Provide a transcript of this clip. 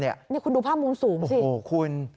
นี่คุณดูภาพมุมสูงสิคุณ